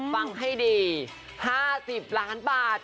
ฟังให้ดี๕๐ล้านบาท